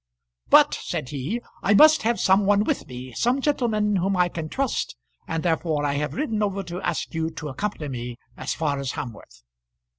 "But," said he, "I must have some one with me, some gentleman whom I can trust, and therefore I have ridden over to ask you to accompany me as far as Hamworth."